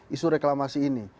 isu reklamasi ini